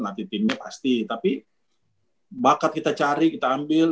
nanti timnya pasti tapi bakat kita cari kita ambil